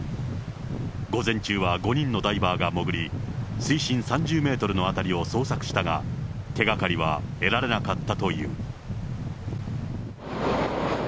午前中は５人のダイバーが潜り、水深３０メートルの辺りを捜索したが、手がかりは得られなかったという。